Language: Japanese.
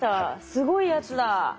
すごいやつだ。